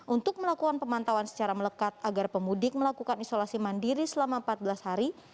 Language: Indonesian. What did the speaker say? untuk melakukan pemantauan secara melekat agar pemudik melakukan isolasi mandiri selama empat belas hari